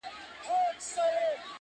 • باک مي نسته بیا که زه هم غرغړه سم ,